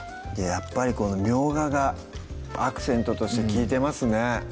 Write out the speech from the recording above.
やっぱりこのみょうががアクセントとして利いてますね